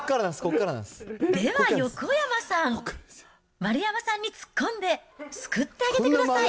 では横山さん、丸山さんに突っ込んで、救ってあげてください。